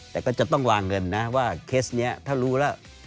แต่ก็จะต้องวางเงินนะว่าเคสนี้ถ้ารู้แล้ว